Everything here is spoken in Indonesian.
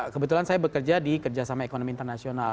kebetulan saya bekerja di kerja sama ekonomi internasional